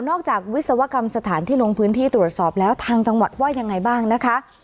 จากวิศวกรรมสถานที่ลงพื้นที่ตรวจสอบแล้วทางจังหวัดว่ายังไงบ้างนะคะ